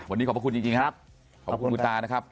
วันนี้ขอบพระคุณจริงครับขอบคุณคุณตานะครับ